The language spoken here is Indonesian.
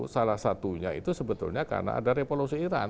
salah satunya itu sebetulnya karena ada revolusi iran